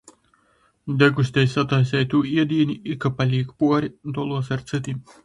Degustej sataiseitū iedīni i, ka palīk puori, doluos ar cytim.